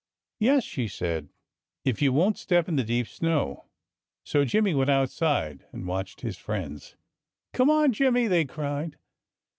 "Yes!" she said, "if you won't step in the deep snow." So Jimmy went outside and watched his friends. "Come on, Jimmy!" they cried.